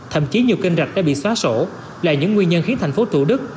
thậm chí nhiều kênh rạch đã bị xóa sổ là những nguyên nhân khiến thành phố thủ đức